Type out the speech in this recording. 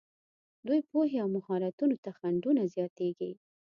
دوی پوهې او مهارتونو ته خنډونه زیاتېږي.